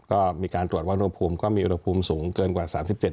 ก็มีการตรวจว่าอุณหภูมิก็มีอุณหภูมิสูงเกินกว่า๓๗